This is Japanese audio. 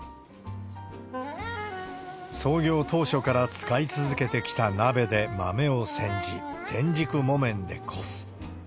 創業当初から使い続けてきた鍋で豆をせんじ、天竺木綿でこす。